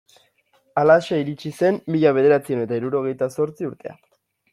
Halaxe iritsi zen mila bederatziehun eta hirurogeita zortzi urtea.